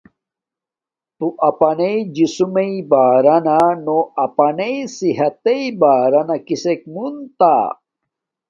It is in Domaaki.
تو اپانݵ جسمݵ بارانا نو اپانݵ صحتݵ بارانا کسک مونتا۔